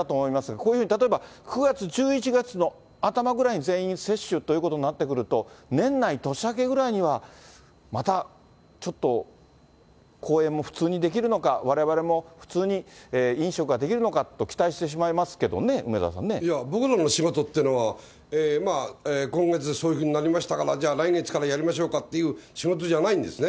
こういうふうに例えば、９月、１１月の頭ぐらいに全員接種ということになってくると、年内、年明けぐらいには、またちょっと、公演も普通にできるのか、われわれも普通に飲食ができるのかと期待してしまいますけどね、いや、僕らの仕事っていうのは、今月、そういうふうになりましたからじゃあ、来月からやりましょうかっていうような仕事じゃないんですね。